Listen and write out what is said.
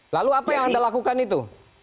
lalu apa yang anda lakukan itu